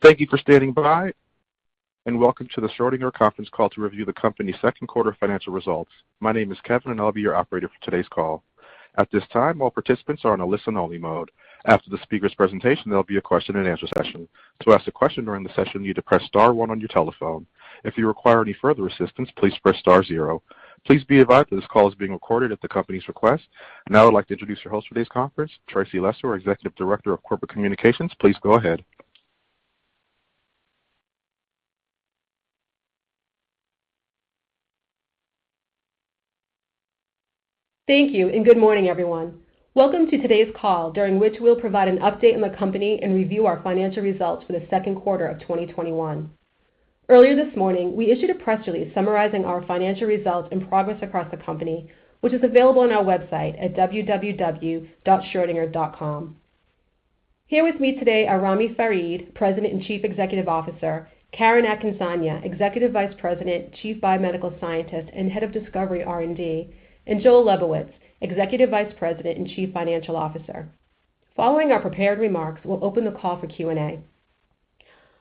Thank you for standing by, and welcome to the Schrödinger conference call to review the company's second quarter financial results. My name is Kevin, and I'll be your operator for today's call. At this time, all participants are on a listen-only mode. After the speaker's presentation, there will be a question-and-answer session. To ask a question during the session, you need to press star one on your telephone. If you require any further assistance, please press star zero. Please be advised that this call is being recorded at the company's request. Now I'd like to introduce your host for today's conference, Tracy Lessor, Executive Director of Corporate Communications. Please go ahead. Thank you and good morning, everyone. Welcome to today's call, during which we'll provide an update on the company and review our financial results for the second quarter of 2021. Earlier this morning, we issued a press release summarizing our financial results and progress across the company, which is available on our website at www.schrodinger.com. Here with me today are Ramy Farid, President and Chief Executive Officer, Karen Akinsanya, Executive Vice President, Chief Biomedical Scientist, and Head of Discovery R&D, and Joel Lebowitz, Executive Vice President and Chief Financial Officer. Following our prepared remarks, we'll open the call for Q&A.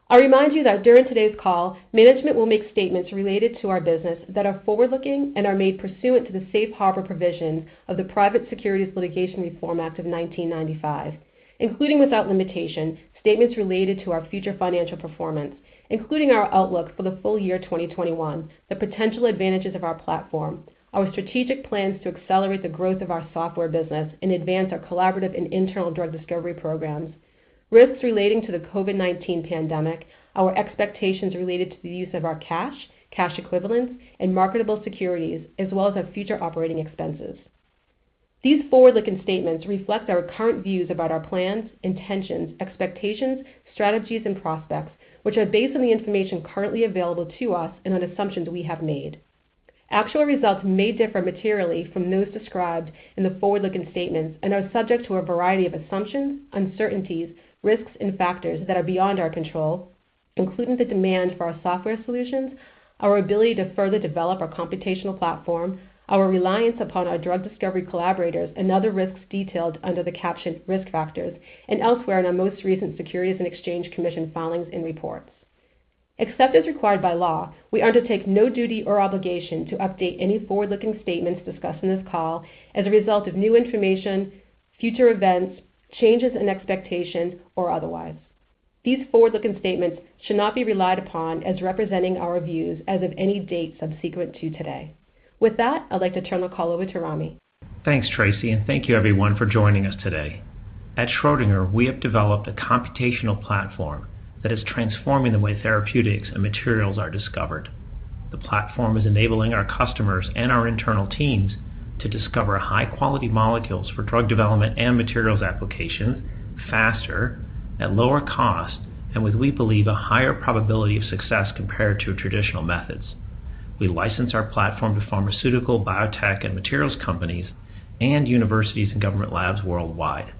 I'll remind you that during today's call, management will make statements related to our business that are forward-looking and are made pursuant to the safe harbor provisions of the Private Securities Litigation Reform Act of 1995, including, without limitation, statements related to our future financial performance, including our outlook for the full year 2021, the potential advantages of our platform, our strategic plans to accelerate the growth of our software business and advance our collaborative and internal drug discovery programs, risks relating to the COVID-19 pandemic, our expectations related to the use of our cash equivalents, and marketable securities, as well as our future operating expenses. These forward-looking statements reflect our current views about our plans, intentions, expectations, strategies, and prospects, which are based on the information currently available to us and on assumptions we have made. Actual results may differ materially from those described in the forward-looking statements and are subject to a variety of assumptions, uncertainties, risks, and factors that are beyond our control, including the demand for our software solutions, our ability to further develop our computational platform, our reliance upon our drug discovery collaborators and other risks detailed under the caption "Risk Factors" and elsewhere in our most recent Securities and Exchange Commission filings and reports. Except as required by law, we undertake no duty or obligation to update any forward-looking statements discussed on this call as a result of new information, future events, changes in expectation, or otherwise. These forward-looking statements should not be relied upon as representing our views as of any date subsequent to today. With that, I'd like to turn the call over to Ramy. Thanks, Tracy, and thank you everyone for joining us today. At Schrödinger, we have developed a computational platform that is transforming the way therapeutics and materials are discovered. The platform is enabling our customers and our internal teams to discover high-quality molecules for drug development and materials applications faster, at lower cost, and with, we believe, a higher probability of success compared to traditional methods. We license our platform to pharmaceutical, biotech, and materials companies and universities and government labs worldwide.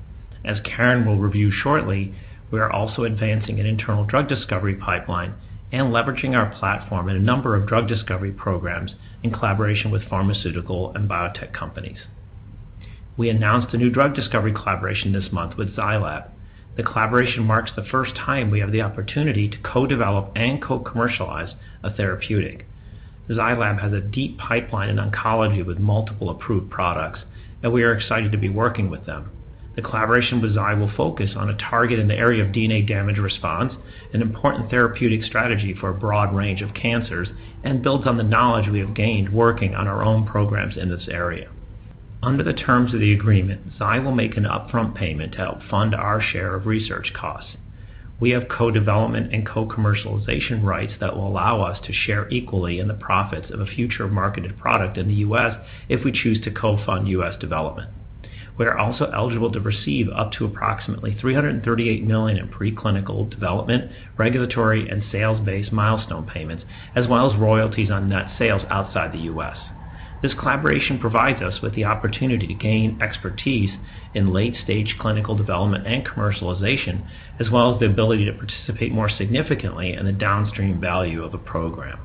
As Karen will review shortly, we are also advancing an internal drug discovery pipeline and leveraging our platform in a number of drug discovery programs in collaboration with pharmaceutical and biotech companies. We announced a new drug discovery collaboration this month with Zai Lab. The collaboration marks the first time we have the opportunity to co-develop and co-commercialize a therapeutic. Zai Lab has a deep pipeline in oncology with multiple approved products, and we are excited to be working with them. The collaboration with Zai will focus on a target in the area of DNA damage response, an important therapeutic strategy for a broad range of cancers, and builds on the knowledge we have gained working on our own programs in this area. Under the terms of the agreement, Zai will make an upfront payment to help fund our share of research costs. We have co-development and co-commercialization rights that will allow us to share equally in the profits of a future marketed product in the U.S. if we choose to co-fund U.S. development. We are also eligible to receive up to approximately $338 million in preclinical development, regulatory, and sales-based milestone payments, as well as royalties on net sales outside the U.S. This collaboration provides us with the opportunity to gain expertise in late-stage clinical development and commercialization, as well as the ability to participate more significantly in the downstream value of a program.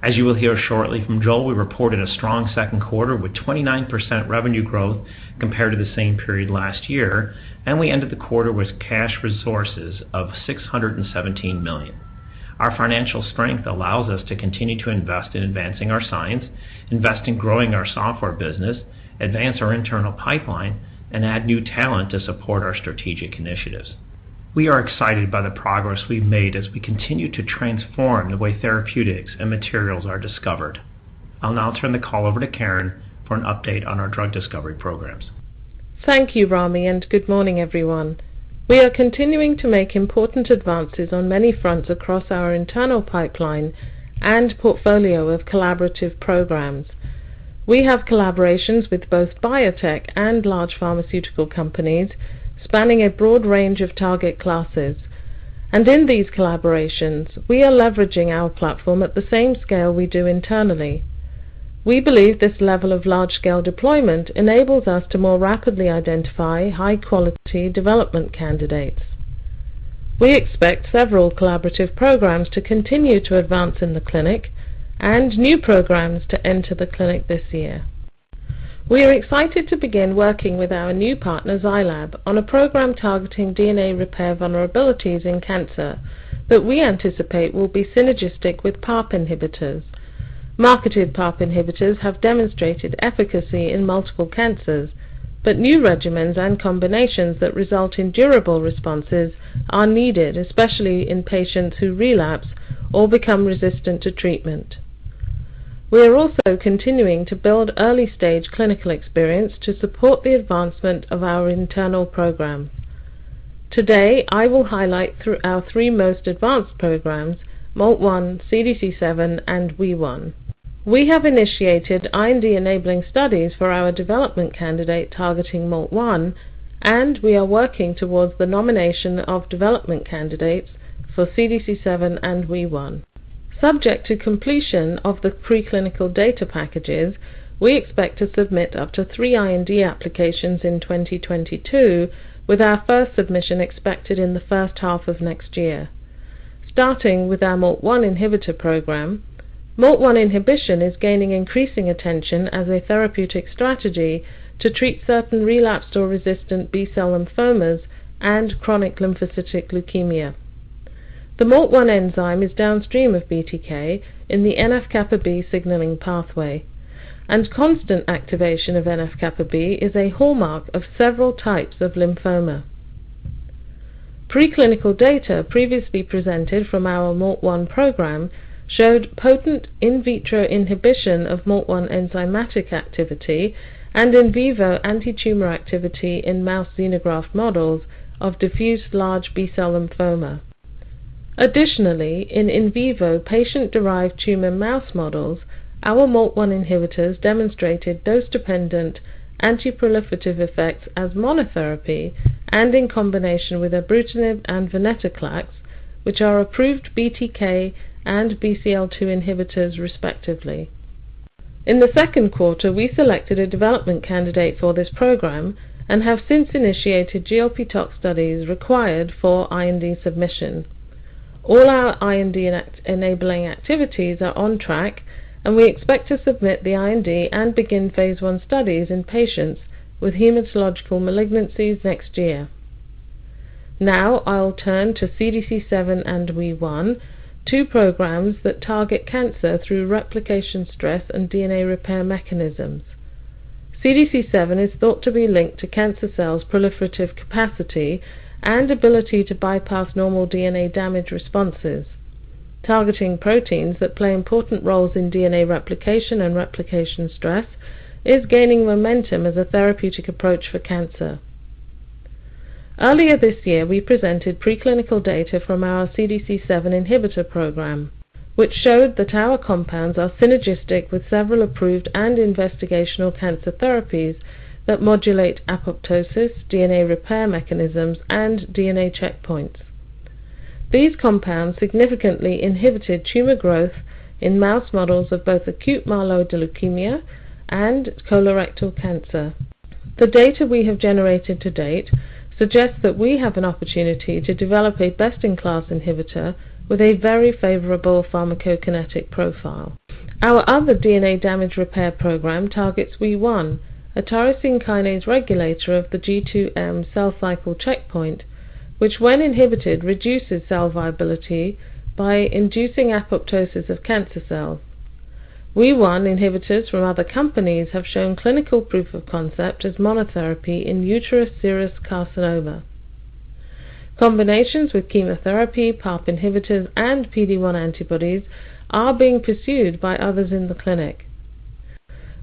As you will hear shortly from Joel, we reported a strong second quarter with 29% revenue growth compared to the same period last year, and we ended the quarter with cash resources of $617 million. Our financial strength allows us to continue to invest in advancing our science, invest in growing our software business, advance our internal pipeline, and add new talent to support our strategic initiatives. We are excited by the progress we've made as we continue to transform the way therapeutics and materials are discovered. I'll now turn the call over to Karen for an update on our drug discovery programs. Thank you, Ramy. Good morning, everyone. We are continuing to make important advances on many fronts across our internal pipeline and portfolio of collaborative programs. We have collaborations with both biotech and large pharmaceutical companies spanning a broad range of target classes. In these collaborations, we are leveraging our platform at the same scale we do internally. We believe this level of large-scale deployment enables us to more rapidly identify high-quality development candidates. We expect several collaborative programs to continue to advance in the clinic and new programs to enter the clinic this year. We are excited to begin working with our new partner, Zai Lab, on a program targeting DNA repair vulnerabilities in cancer that we anticipate will be synergistic with PARP inhibitors. Marketed PARP inhibitors have demonstrated efficacy in multiple cancers, but new regimens and combinations that result in durable responses are needed, especially in patients who relapse or become resistant to treatment. We are also continuing to build early-stage clinical experience to support the advancement of our internal program. Today, I will highlight our three most advanced programs, MALT1, CDC7, and Wee1. We have initiated IND-enabling studies for our development candidate targeting MALT1. We are working towards the nomination of development candidates for CDC7 and Wee1. Subject to completion of the preclinical data packages, we expect to submit up to three IND applications in 2022, with our first submission expected in the first half of next year. Starting with our MALT1 inhibitor program, MALT1 inhibition is gaining increasing attention as a therapeutic strategy to treat certain relapsed or resistant B-cell lymphomas and chronic lymphocytic leukemia. The MALT1 enzyme is downstream of BTK in the NF-kappa B signaling pathway, and constant activation of NF-kappa B is a hallmark of several types of lymphoma. Preclinical data previously presented from our MALT1 program showed potent in vitro inhibition of MALT1 enzymatic activity and in vivo anti-tumor activity in mouse xenograft models of diffuse large B-cell lymphoma. Additionally, in vivo patient-derived tumor mouse models, our MALT1 inhibitors demonstrated dose-dependent anti-proliferative effects as monotherapy and in combination with ibrutinib and venetoclax, which are approved BTK and BCL-2 inhibitors respectively. In the second quarter, we selected a development candidate for this program and have since initiated GLP tox studies required for IND submission. All our IND-enabling activities are on track. We expect to submit the IND and begin phase I studies in patients with hematological malignancies next year. Now, I'll turn to CDC7 and Wee1, two programs that target cancer through replication stress and DNA repair mechanisms. CDC7 is thought to be linked to cancer cells' proliferative capacity and ability to bypass normal DNA damage responses. Targeting proteins that play important roles in DNA replication and replication stress is gaining momentum as a therapeutic approach for cancer. Earlier this year, we presented preclinical data from our CDC7 inhibitor program, which showed that our compounds are synergistic with several approved and investigational cancer therapies that modulate apoptosis, DNA repair mechanisms, and DNA checkpoints. These compounds significantly inhibited tumor growth in mouse models of both acute myeloid leukemia and colorectal cancer. The data we have generated to date suggests that we have an opportunity to develop a best-in-class inhibitor with a very favorable pharmacokinetic profile. Our other DNA damage response program targets Wee1, a tyrosine kinase regulator of the G2-M cell-cycle checkpoint, which when inhibited, reduces cell viability by inducing apoptosis of cancer cells. Wee1 inhibitors from other companies have shown clinical proof of concept as monotherapy in uterine serous carcinoma. Combinations with chemotherapy, PARP inhibitors, and PD-1 antibodies are being pursued by others in the clinic.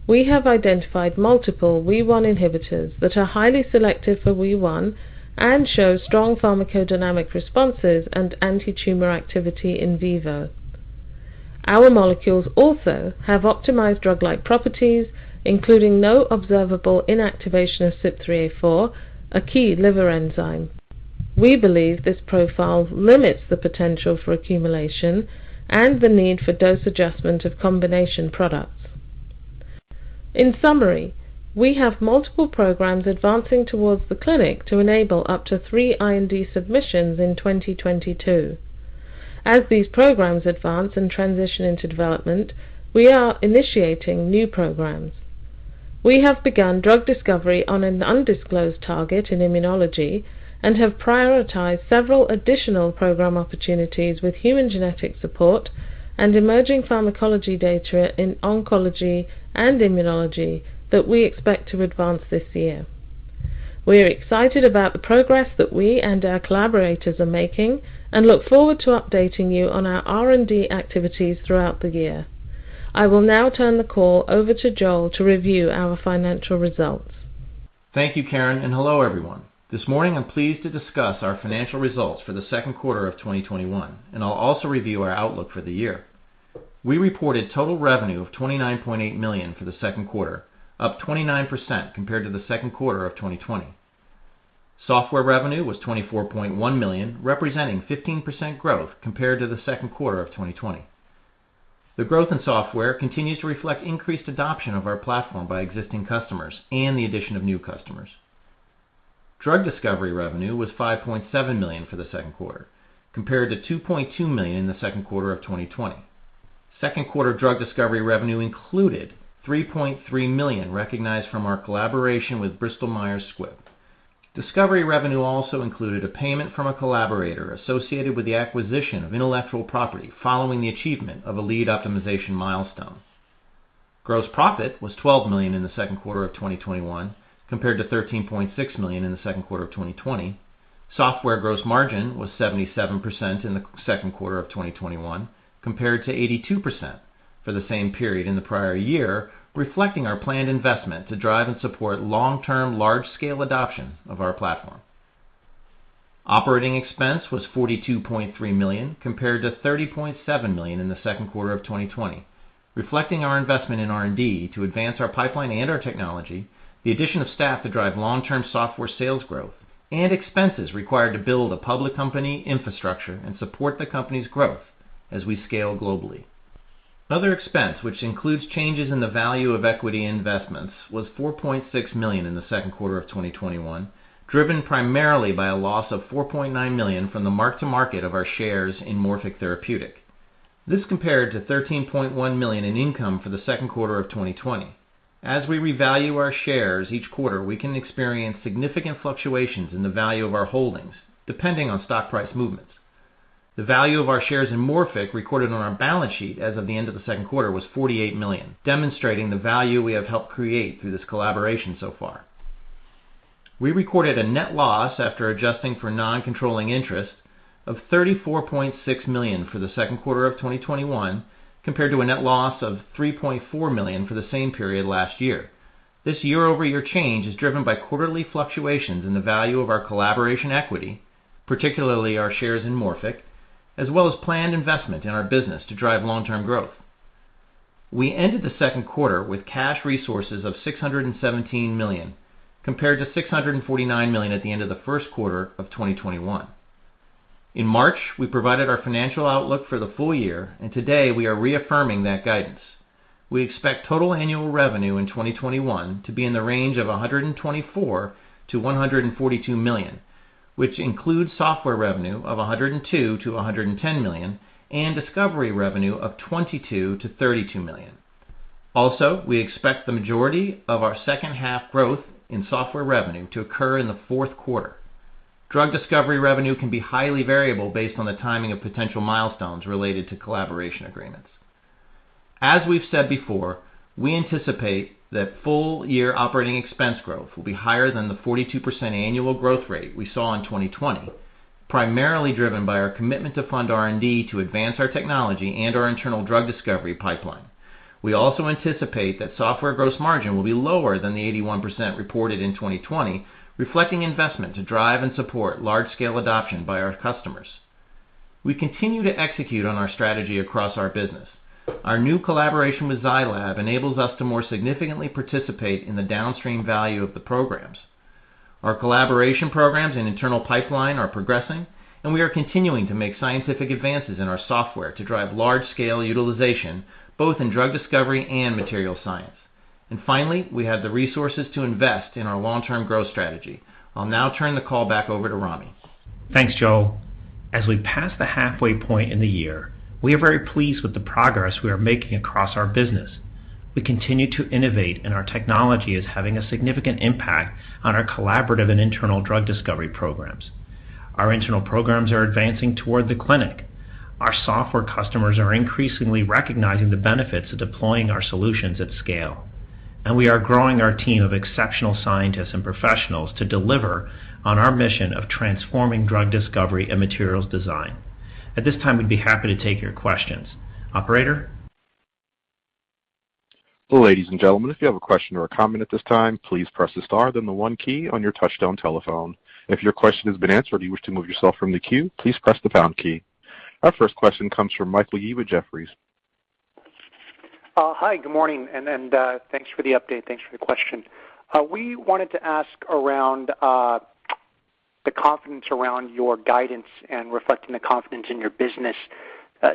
We have identified multiple Wee1 inhibitors that are highly selective for Wee1 and show strong pharmacodynamic responses and anti-tumor activity in vivo. Our molecules also have optimized drug-like properties, including no observable inactivation of CYP3A4, a key liver enzyme. We believe this profile limits the potential for accumulation and the need for dose adjustment of combination products. In summary, we have multiple programs advancing towards the clinic to enable up to three IND submissions in 2022. As these programs advance and transition into development, we are initiating new programs. We have begun drug discovery on an undisclosed target in immunology and have prioritized several additional program opportunities with human genetic support and emerging pharmacology data in oncology and immunology that we expect to advance this year. We are excited about the progress that we and our collaborators are making and look forward to updating you on our R&D activities throughout the year. I will now turn the call over to Joel to review our financial results. Thank you, Karen, and hello, everyone. This morning, I'm pleased to discuss our financial results for the second quarter of 2021, and I'll also review our outlook for the year. We reported total revenue of $29.8 million for the second quarter, up 29% compared to the second quarter of 2020. Software revenue was $24.1 million, representing 15% growth compared to the second quarter of 2020. The growth in software continues to reflect increased adoption of our platform by existing customers and the addition of new customers. Drug discovery revenue was $5.7 million for the second quarter, compared to $2.2 million in the second quarter of 2020. Second quarter drug discovery revenue included $3.3 million recognized from our collaboration with Bristol Myers Squibb. Discovery revenue also included a payment from a collaborator associated with the acquisition of intellectual property following the achievement of a lead optimization milestone. Gross profit was $12 million in the second quarter of 2021, compared to $13.6 million in the second quarter of 2020. Software gross margin was 77% in the second quarter of 2021, compared to 82% for the same period in the prior year, reflecting our planned investment to drive and support long-term, large-scale adoption of our platform. Operating expense was $42.3 million, compared to $30.7 million in the second quarter of 2020, reflecting our investment in R&D to advance our pipeline and our technology, the addition of staff to drive long-term software sales growth, and expenses required to build a public company infrastructure and support the company's growth as we scale globally. Other expense, which includes changes in the value of equity investments, was $4.6 million in the second quarter of 2021, driven primarily by a loss of $4.9 million from the mark to market of our shares in Morphic Therapeutic. This compared to $13.1 million in income for the second quarter of 2020. As we revalue our shares each quarter, we can experience significant fluctuations in the value of our holdings, depending on stock price movements. The value of our shares in Morphic recorded on our balance sheet as of the end of the second quarter was $48 million, demonstrating the value we have helped create through this collaboration so far. We recorded a net loss after adjusting for non-controlling interest of $34.6 million for the second quarter of 2021, compared to a net loss of $3.4 million for the same period last year. This year-over-year change is driven by quarterly fluctuations in the value of our collaboration equity, particularly our shares in Morphic, as well as planned investment in our business to drive long-term growth. We ended the second quarter with cash resources of $617 million, compared to $649 million at the end of the first quarter of 2021. In March, we provided our financial outlook for the full year, and today we are reaffirming that guidance. We expect total annual revenue in 2021 to be in the range of $124 million-$142 million, which includes software revenue of $102 million-$110 million, and discovery revenue of $22 million-$32 million. We expect the majority of our second half growth in software revenue to occur in the fourth quarter. Drug discovery revenue can be highly variable based on the timing of potential milestones related to collaboration agreements. As we've said before, we anticipate that full year operating expense growth will be higher than the 42% annual growth rate we saw in 2020, primarily driven by our commitment to fund R&D to advance our technology and our internal drug discovery pipeline. We also anticipate that software gross margin will be lower than the 81% reported in 2020, reflecting investment to drive and support large-scale adoption by our customers. We continue to execute on our strategy across our business. Our new collaboration with Zai Lab enables us to more significantly participate in the downstream value of the programs. Our collaboration programs and internal pipeline are progressing, and we are continuing to make scientific advances in our software to drive large-scale utilization, both in drug discovery and material science. Finally, we have the resources to invest in our long-term growth strategy. I'll now turn the call back over to Ramy. Thanks, Joel. As we pass the halfway point in the year, we are very pleased with the progress we are making across our business. We continue to innovate, and our technology is having a significant impact on our collaborative and internal drug discovery programs. Our internal programs are advancing toward the clinic. Our software customers are increasingly recognizing the benefits of deploying our solutions at scale. We are growing our team of exceptional scientists and professionals to deliver on our mission of transforming drug discovery and materials design. At this time, we'd be happy to take your questions. Operator? Our first question comes from Michael Yee with Jefferies. Hi, good morning. Thanks for the update. Thanks for the question. We wanted to ask around the confidence around your guidance and reflecting the confidence in your business.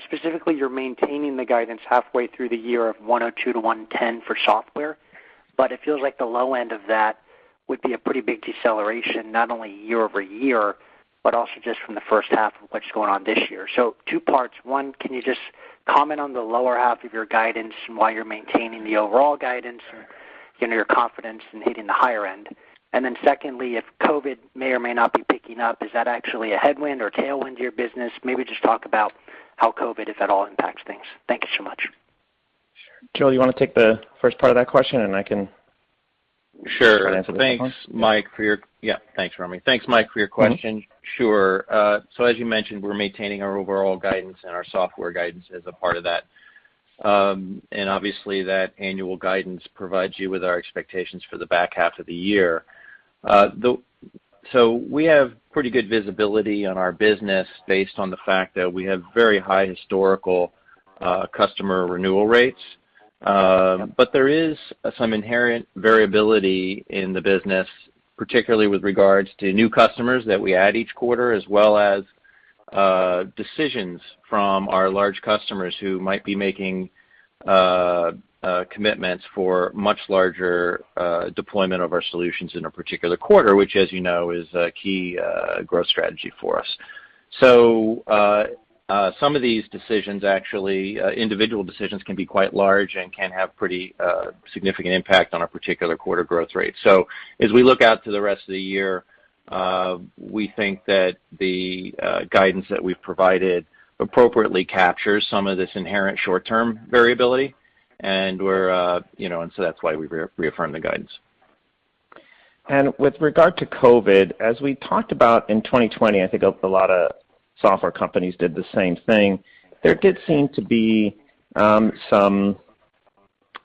Specifically, you're maintaining the guidance halfway through the year of $102 million-$110 million for software, but it feels like the low end of that would be a pretty big deceleration, not only year-over-year, but also just from the first half of what's going on this year. Two parts. One, can you just comment on the lower half of your guidance and why you're maintaining the overall guidance or your confidence in hitting the higher end? Secondly, if COVID may or may not be picking up, is that actually a headwind or tailwind to your business? Maybe just talk about how COVID, if at all, impacts things. Thank you so much. Sure. Joel, you want to take the first part of that question and I can try to answer the second one? Sure. Thanks, Ramy. Thanks, Mike, for your question. Sure. As you mentioned, we're maintaining our overall guidance and our software guidance as a part of that. Obviously, that annual guidance provides you with our expectations for the back half of the year. We have pretty good visibility on our business based on the fact that we have very high historical customer renewal rates. There is some inherent variability in the business, particularly with regards to new customers that we add each quarter, as well as. Decisions from our large customers who might be making commitments for much larger deployment of our solutions in a particular quarter, which, as you know, is a key growth strategy for us. Some of these decisions actually, individual decisions can be quite large and can have pretty significant impact on our particular quarter growth rate. As we look out to the rest of the year, we think that the guidance that we've provided appropriately captures some of this inherent short-term variability and we're, you know, that's why we reaffirm the guidance. With regard to COVID, as we talked about in 2020, I think a lot of software companies did the same thing. There did seem to be some sort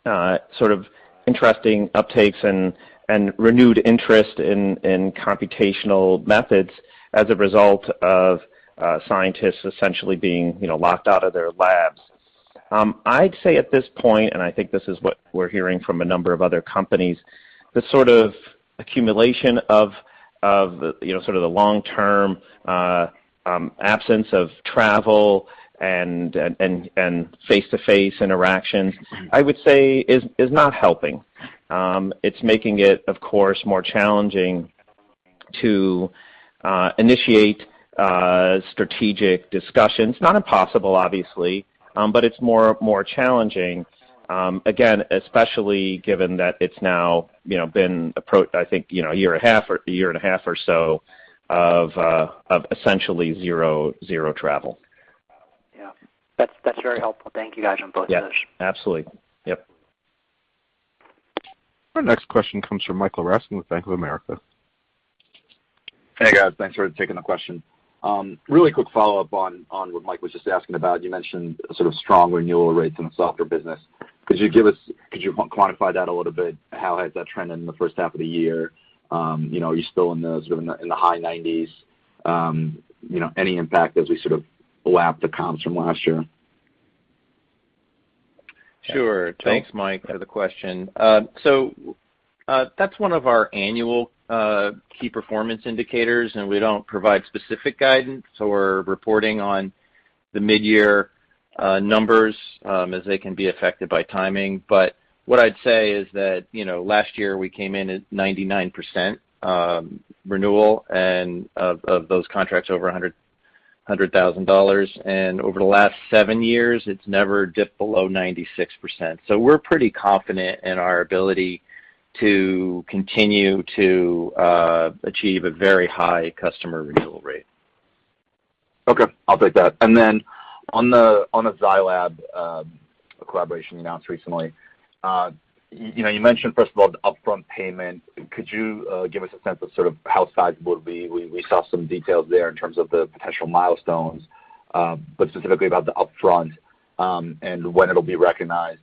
of interesting uptakes and renewed interest in computational methods as a result of scientists essentially being, you know, locked out of their labs. I'd say at this point, and I think this is what we're hearing from a number of other companies, the sort of accumulation of, you know, sort of the long-term absence of travel and face-to-face interaction, I would say is not helping. It's making it, of course, more challenging to initiate strategic discussions. Not impossible, obviously, but it's more challenging again, especially given that it's now, you know, been, I think, 1.5 years or so of essentially zero travel. Yeah. That's very helpful. Thank you guys on both those. Yeah. Absolutely. Yep. Our next question comes from Michael Ryskin with Bank of America. Hey, guys. Thanks for taking the question. Really quick follow-up on what Mike was just asking about. You mentioned sort of strong renewal rates in the software business. Could you quantify that a little bit? How has that trended in the first half of the year? You know, are you still in the sort of in the high 90s? You know, any impact as we sort of lap the comps from last year? Sure. Thanks, Mike, for the question. That's one of our annual key performance indicators, and we don't provide specific guidance or reporting on the mid-year numbers, as they can be affected by timing. What I'd say is that, you know, last year we came in at 99% renewal and of those contracts, over $100,000. Over the last seven years, it's never dipped below 96%. We're pretty confident in our ability to continue to achieve a very high customer renewal rate. Okay. I'll take that. On the Zai Lab collaboration you announced recently. You know, you mentioned first of all the upfront payment. Could you give us a sense of sort of how sizable it'll be? We saw some details there in terms of the potential milestones, but specifically about the upfront and when it'll be recognized.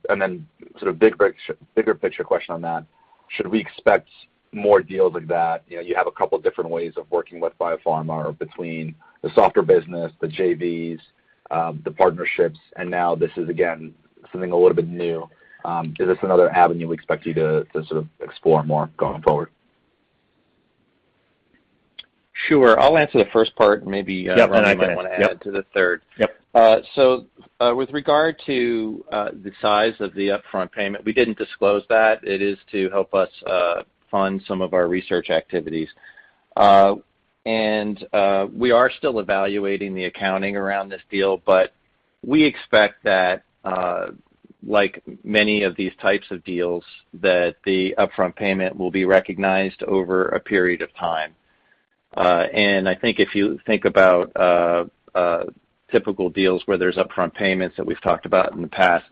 Sort of bigger picture question on that, should we expect more deals like that? You know, you have a couple different ways of working with biopharma between the software business, the JVs, the partnerships, and now this is again something a little bit new. Is this another avenue we expect you to sort of explore more going forward? Sure. I'll answer the first part and maybe. Yeah. Ramy might want to add to the third. Yep. With regard to the size of the upfront payment, we didn't disclose that. It is to help us fund some of our research activities. We are still evaluating the accounting around this deal, but we expect that, like many of these types of deals, that the upfront payment will be recognized over a period of time. I think if you think about a typical deals where there's upfront payments that we've talked about in the past,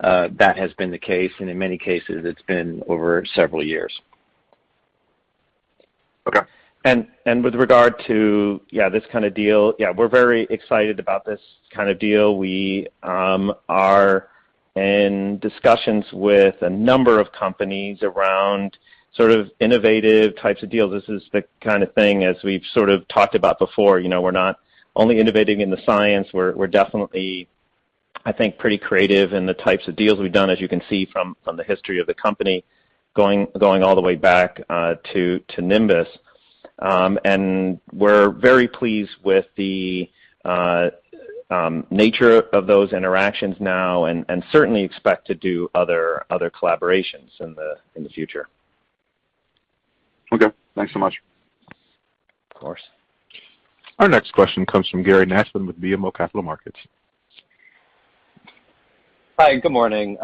that has been the case and in many cases it's been over several years. Okay. With regard to this kind of deal, we're very excited about this kind of deal. We are in discussions with a number of companies around sort of innovative types of deals. This is the kind of thing as we've sort of talked about before, you know, we're not only innovating in the science, we're definitely, I think, pretty creative in the types of deals we've done as you can see from the history of the company going all the way back to Nimbus. We're very pleased with the nature of those interactions now and certainly expect to do other collaborations in the future. Okay. Thanks so much. Of course. Our next question comes from Gary Nachman with BMO Capital Markets. Hi, good morning.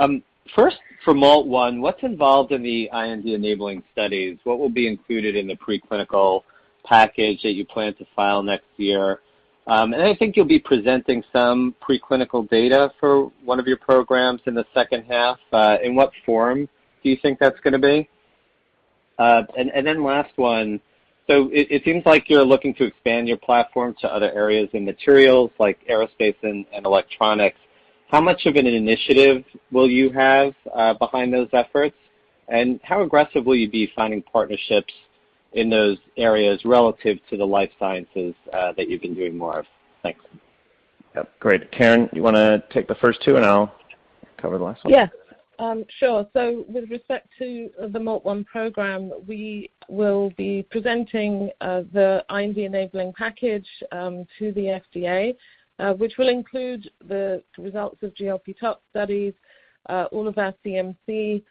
First for MALT1, what's involved in the IND enabling studies? What will be included in the preclinical package that you plan to file next year? I think you'll be presenting some preclinical data for one of your programs in the second half. In what form do you think that's going to be? Last one. It seems like you're looking to expand your platform to other areas in materials like aerospace and electronics. How much of an initiative will you have behind those efforts? How aggressive will you be finding partnerships in those areas relative to the life sciences that you've been doing more of? Thanks. Great. Karen, you want to take the first two, and I'll cover the last one? Yeah. Sure. With respect to the MALT1 program, we will be presenting the IND-enabling package to the FDA, which will include the results of GLP tox studies, all of our CMC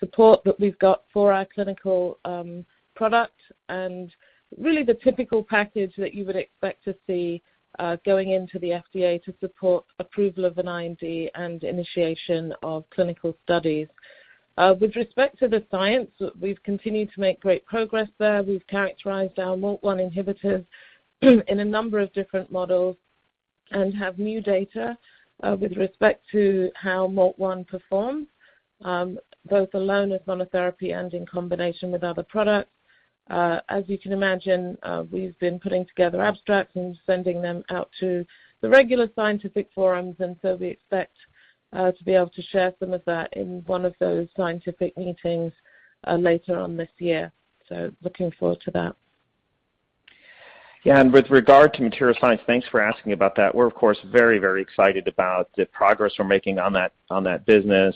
support that we've got for our clinical product, and really the typical package that you would expect to see going into the FDA to support approval of an IND and initiation of clinical studies. With respect to the science, we've continued to make great progress there. We've characterized our MALT1 inhibitor in a number of different models and have new data with respect to how MALT1 performs, both alone as monotherapy and in combination with other products. As you can imagine, we've been putting together abstracts and sending them out to the regular scientific forums. We expect to be able to share some of that in one of those scientific meetings later on this year. Looking forward to that. Yeah. With regard to material science, thanks for asking about that. We're, of course, very excited about the progress we're making on that business,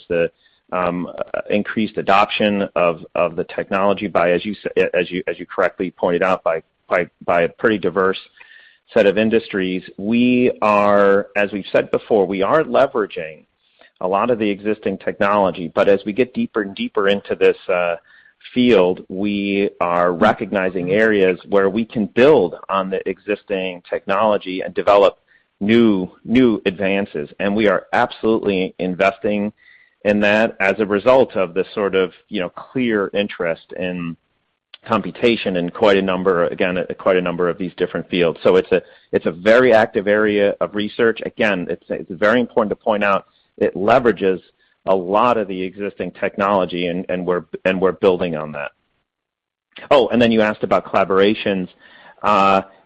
the increased adoption of the technology by, as you correctly pointed out, by a pretty diverse set of industries. As we've said before, we aren't leveraging a lot of the existing technology. As we get deeper and deeper into this field, we are recognizing areas where we can build on the existing technology and develop new advances. We are absolutely investing in that as a result of this sort of clear interest in computation in quite a number of these different fields. It's a very active area of research. Again, it's very important to point out it leverages a lot of the existing technology, and we're building on that. Oh, then you asked about collaborations.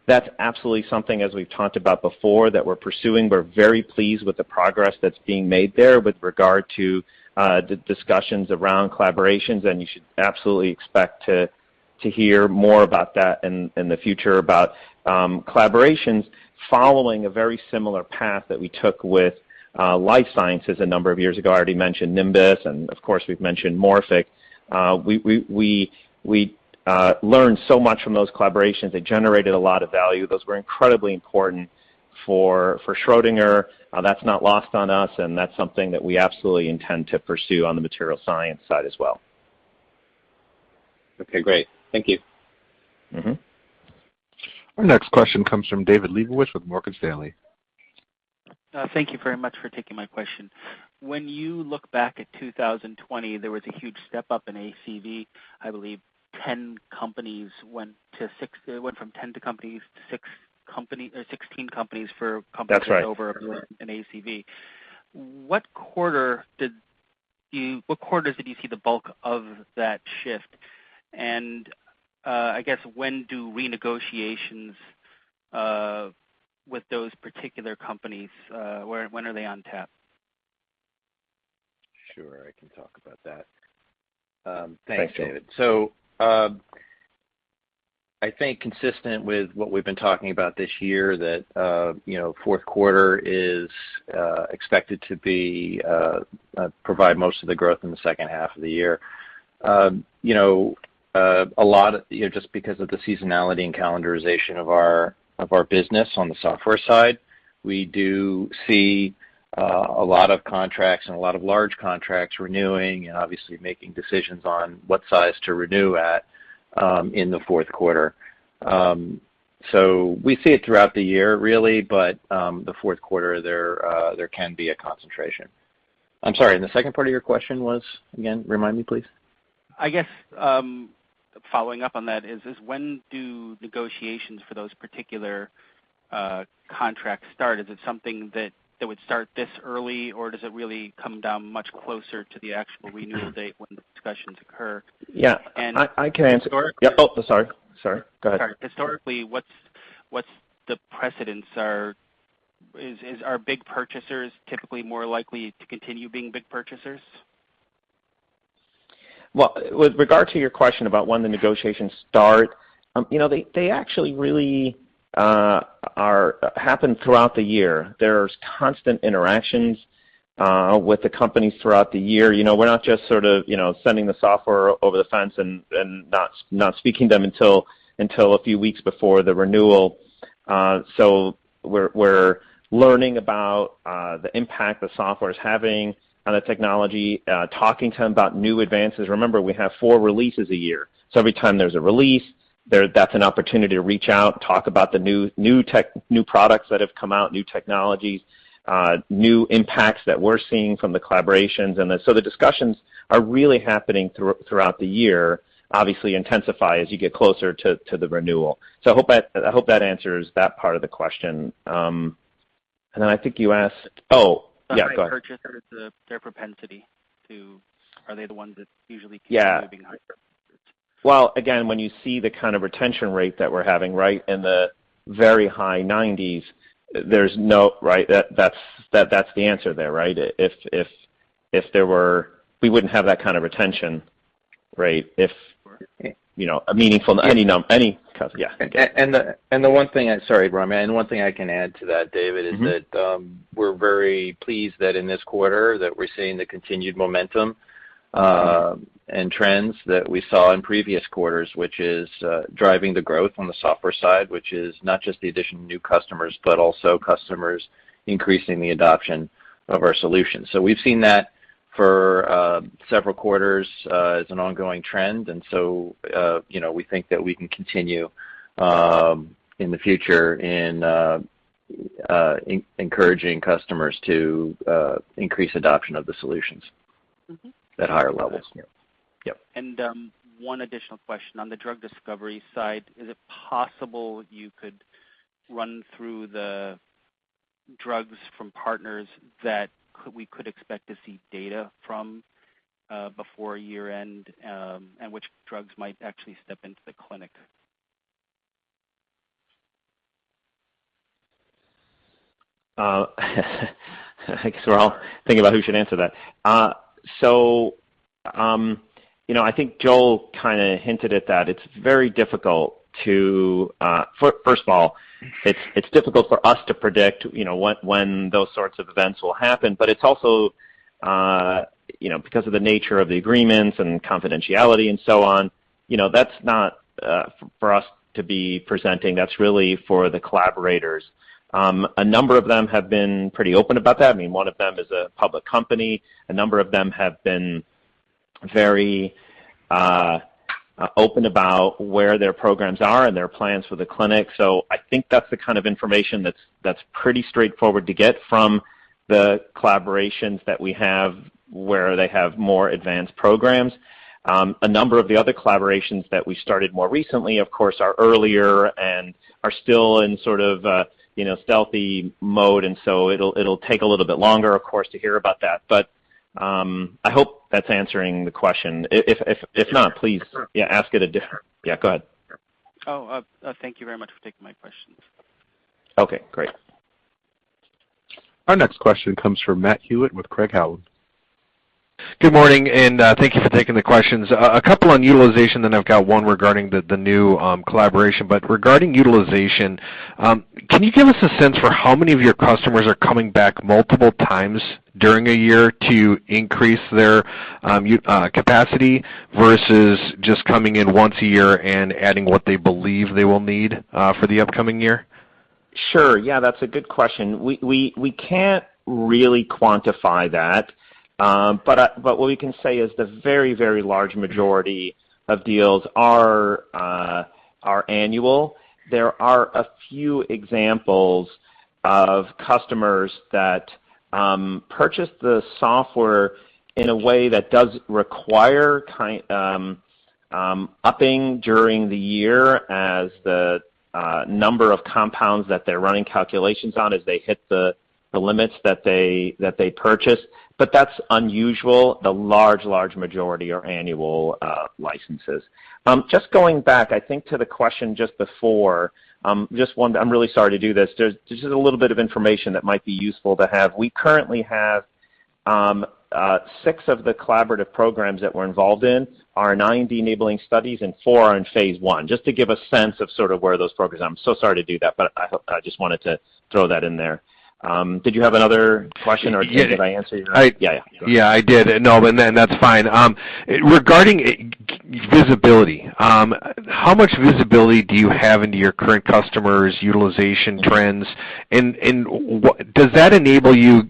That's absolutely something, as we've talked about before, that we're pursuing. We're very pleased with the progress that's being made there with regard to the discussions around collaborations. You should absolutely expect to hear more about that in the future about collaborations following a very similar path that we took with life sciences a number of years ago. I already mentioned Nimbus, and of course, we've mentioned Morphic. We learned so much from those collaborations. They generated a lot of value. Those were incredibly important for Schrödinger. That's not lost on us, and that's something that we absolutely intend to pursue on the material science side as well. Okay, great. Thank you. Our next question comes from David Lebowitz with Morgan Stanley. Thank you very much for taking my question. When you look back at 2020, there was a huge step-up in ACV. I believe it went from 10 companies to 16 companies for- That's right. turnover in ACV. What quarters did you see the bulk of that shift? I guess, when do renegotiations with those particular companies, when are they on tap? Sure, I can talk about that. Thanks, David. I think consistent with what we've been talking about this year, that fourth quarter is expected to provide most of the growth in the second half of the year. Just because of the seasonality and calendarization of our business on the software side, we do see a lot of contracts and a lot of large contracts renewing and obviously making decisions on what size to renew at in the fourth quarter. We see it throughout the year, really, but the fourth quarter, there can be a concentration. I'm sorry, the second part of your question was, again? Remind me, please. I guess following up on that is when do negotiations for those particular contracts start? Is it something that would start this early, or does it really come down much closer to the actual renewal date when the discussions occur? Yeah. I can answer. Oh, sorry. Go ahead. Sorry. Historically, what's the precedents are? Are big purchasers typically more likely to continue being big purchasers? Well, with regard to your question about when the negotiations start, they actually really happen throughout the year. There's constant interactions with the companies throughout the year. We're not just sort of sending the software over the fence and not speaking to them until a few weeks before the renewal. We're learning about the impact the software is having on the technology, talking to them about new advances. Remember, we have four releases a year. Every time there's a release, that's an opportunity to reach out and talk about the new products that have come out, new technologies, new impacts that we're seeing from the collaborations. The discussions are really happening throughout the year. Obviously intensify as you get closer to the renewal. I hope that answers that part of the question. Then I think you asked-- Oh, yeah, go ahead. Purchasers, Are they the ones that usually keep moving on? Well, again, when you see the kind of retention rate that we're having, in the very high 90s. That's the answer there. If there were, we wouldn't have that kind of retention. Right. A meaningful, any customer. Yeah. Sorry, Ramy. One thing I can add to that, David, is that we're very pleased that in this quarter that we're seeing the continued momentum and trends that we saw in previous quarters, which is driving the growth on the software side, which is not just the addition of new customers, but also customers increasing the adoption of our solution. We've seen that for several quarters as an ongoing trend, we think that we can continue in the future in encouraging customers to increase adoption of the solutions at higher levels. Yep. One additional question. On the drug discovery side, is it possible you could run through the drugs from partners that we could expect to see data from before year-end, and which drugs might actually step into the clinic? I guess we're all thinking about who should answer that. I think Joel hinted at that. First of all, it's difficult for us to predict when those sorts of events will happen, but it's also because of the nature of the agreements and confidentiality and so on, that's not for us to be presenting. That's really for the collaborators. A number of them have been pretty open about that. One of them is a public company. A number of them have been very open about where their programs are and their plans for the clinic. I think that's the kind of information that's pretty straightforward to get from the collaborations that we have where they have more advanced programs. A number of the other collaborations that we started more recently, of course, are earlier and are still in stealthy mode, and so it'll take a little bit longer, of course, to hear about that. I hope that's answering the question. If not, please. Sure. Yeah, go ahead. Oh, thank you very much for taking my questions. Okay, great. Our next question comes from Matt Hewitt with Craig-Hallum. Good morning, thank you for taking the questions. A couple on utilization, I've got one regarding the new collaboration. Regarding utilization, can you give us a sense for how many of your customers are coming back multiple times during a year to increase their capacity versus just coming in once a year and adding what they believe they will need for the upcoming year? Sure. Yeah, that's a good question. What we can say is the very, very large majority of deals are annual. There are a few examples of customers that purchased the software in a way that does require upping during the year as the number of compounds that they're running calculations on as they hit the limits that they purchased. That's unusual. The large majority are annual licenses. Just going back, I think, to the question just before. I'm really sorry to do this. There's just a little bit of information that might be useful to have. We currently have six of the collaborative programs that we're involved in are IND-enabling studies and four are in phase I. Just to give a sense of where those programs are. I'm so sorry to do that, but I just wanted to throw that in there. Did you have another question or did I answer your? Yeah. Yeah. Yeah, I did. No, that's fine. Regarding visibility, how much visibility do you have into your current customers' utilization trends, and does that enable you,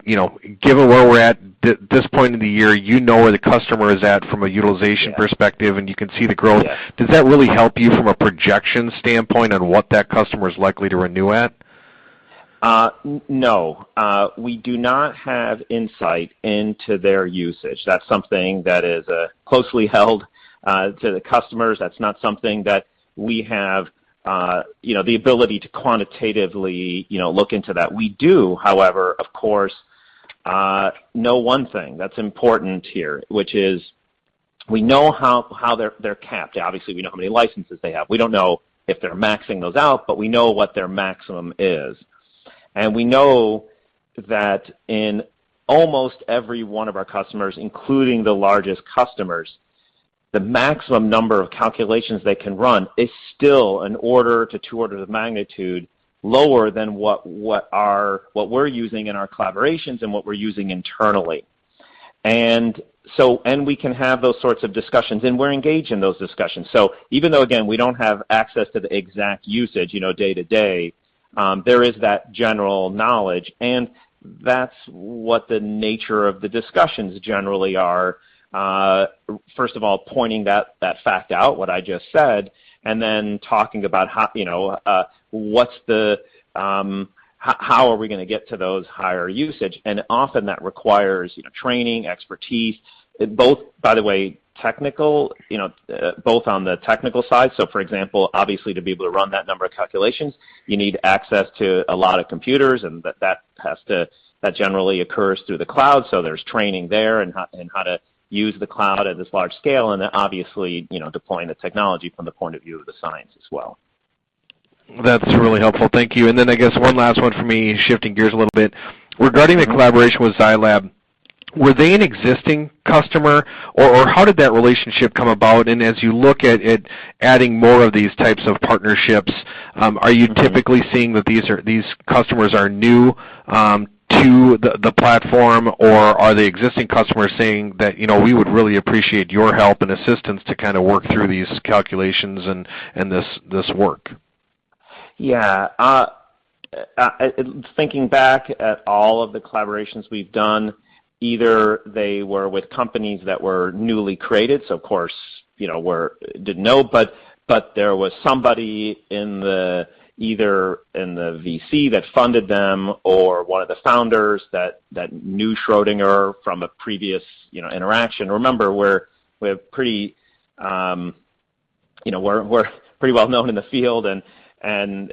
given where we're at this point in the year, you know where the customer is at from a utilization perspective and you can see the growth? Yeah. Does that really help you from a projection standpoint on what that customer is likely to renew at? No. We do not have insight into their usage. That's something that is closely held to the customers. That's not something that we have the ability to quantitatively look into that. We do, however, of course, know one thing that's important here, which is we know how they're capped. Obviously, we know how many licenses they have. We don't know if they're maxing those out, but we know what their maximum is. We know that in almost every one of our customers, including the largest customers, the maximum number of calculations they can run is still an order to two orders of magnitude lower than what we're using in our collaborations and what we're using internally. We can have those sorts of discussions, and we're engaged in those discussions. Even though, again, we don't have access to the exact usage day to day, there is that general knowledge, and that's what the nature of the discussions generally are. First of all, pointing that fact out, what I just said, and then talking about how are we going to get to those higher usage. Often that requires training, expertise. Both, by the way, technical, both on the technical side. For example, obviously, to be able to run that number of calculations, you need access to a lot of computers and that generally occurs through the cloud, so there's training there and how to use the cloud at this large scale and obviously, deploying the technology from the point of view of the science as well. That's really helpful. Thank you. I guess one last one for me, shifting gears a little bit. Regarding the collaboration with Zai Lab, were they an existing customer or how did that relationship come about? As you look at adding more of these types of partnerships, are you typically seeing that these customers are new to the platform or are the existing customers saying that, "We would really appreciate your help and assistance to work through these calculations and this work? Yeah. Thinking back at all of the collaborations we've done, either they were with companies that were newly created, so of course, didn't know, but there was somebody either in the VC that funded them or one of the founders that knew Schrödinger from a previous interaction. Remember, we're pretty well known in the field and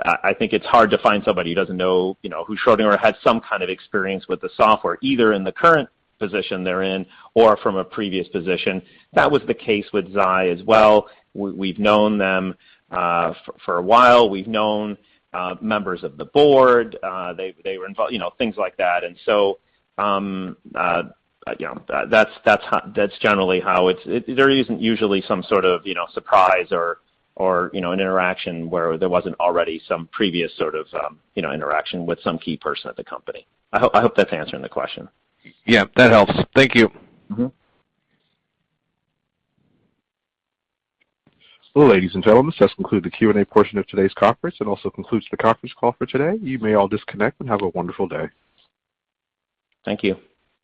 I think it's hard to find somebody who doesn't know who Schrödinger or has some kind of experience with the software, either in the current position they're in or from a previous position. That was the case with Zai as well. We've known them for a while. We've known members of the board. Things like that. That's generally how it's, there isn't usually some sort of surprise or an interaction where there wasn't already some previous sort of interaction with some key person at the company. I hope that's answering the question. Yeah, that helps. Thank you. Well, ladies and gentlemen, this concludes the Q&A portion of today's conference. It also concludes the conference call for today. You may all disconnect and have a wonderful day. Thank you.